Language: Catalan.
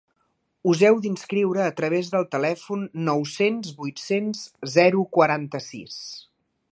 Us heu d'inscriure a través del telèfon nou-cents vuit-cents zero quaranta-sis